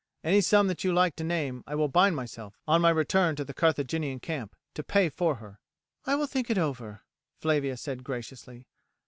Any sum that you like to name I will bind myself, on my return to the Carthaginian camp, to pay for her." "I will think it over," Flavia said graciously.